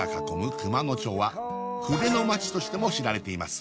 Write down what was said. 熊野町は筆の町としても知られています